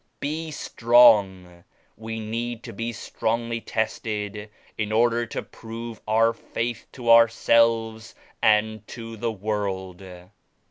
Be strong! We need to be strongly tested in order to prove our Faith to ourselves and to the world.